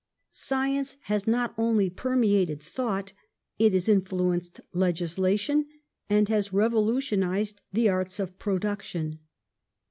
Science has not only permeated thought ; it has influenced legislation and has revolutionized the arts of production.